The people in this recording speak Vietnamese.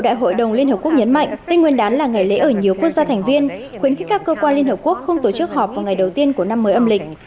đại hội đồng liên hợp quốc nhấn mạnh tên nguyên đán là ngày lễ ở nhiều quốc gia thành viên khuyến khích các cơ quan liên hợp quốc không tổ chức họp vào ngày đầu tiên của năm mới âm lịch